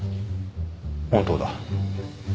本当だ。